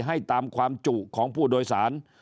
ให้ตามความจุของผู้โดยสาร